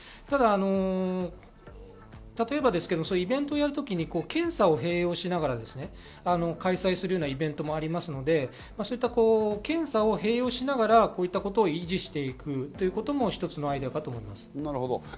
ただ例えば、イベントをやるときに検査を併用しながら開催するようなイベントもありますので、検査を併用しながら、こういうことを維持するということも一つのアイデアかと思います。